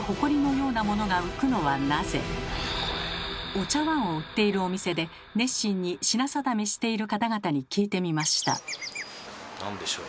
お茶わんを売っているお店で熱心に品定めしている方々に聞いてみました。